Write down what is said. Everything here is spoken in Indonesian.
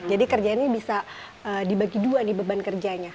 jadi kerjanya ini bisa dibagi dua nih beban kerjanya